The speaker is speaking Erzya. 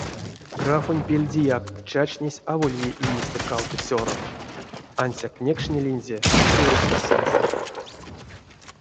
Графонть пельдеяк чачтнесь аволь ве иестэ кавто цёрат, ансяк некшнилинзе чуросто сынст.